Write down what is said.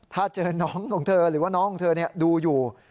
ถ้าเจอน้องของเธอหรือว่าน้องของเธอดูอยู่